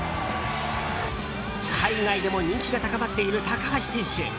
海外でも人気が高まっている高橋選手。